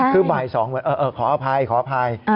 คือบ่าย๒เหมือนเออขออภัยขออภัย